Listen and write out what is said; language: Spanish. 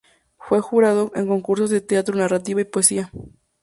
Fue jurado en concursos de teatro, narrativa y poesía.